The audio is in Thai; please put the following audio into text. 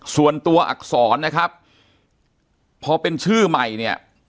ส่วนตัวอักษรนะครับพอเป็นชื่อใหม่เนี่ย